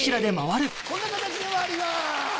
こんな形で回ります。